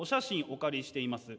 お借りしています。